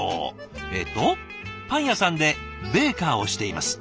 えっと「パン屋さんでベーカーをしています。